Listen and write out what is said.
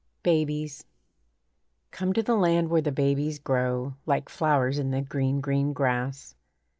BABIES Come to the land where the babies grow, Like flowers in the green, green grass.